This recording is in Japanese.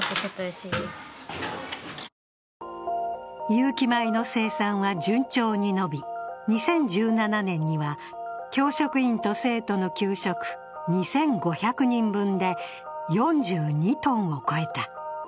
有機米の生産は順調に伸び、２０１７年には教職員と生徒の給食２５００人分で４２ｔを超えた。